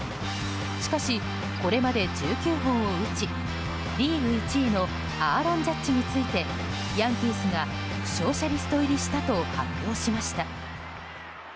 しかし、これまで１９本を打ちリーグ１位のアーロン・ジャッジに次いでヤンキースが負傷者リスト入りしたと発表しました。